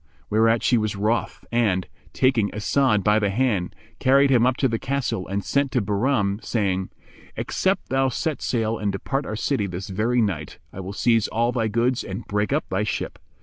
Whereat she was wroth and, taking As'ad by the hand, carried him up to the castle and sent to Bahram, saying, "Except thou set sail and depart our city this very night, I will seize all thy goods and break up thy ship."